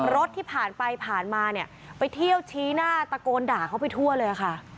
รถที่ผ่านไปผ่านมาเนี่ยไปเที่ยวชี้หน้าตะโกนด่าเขาไปทั่วเลยค่ะ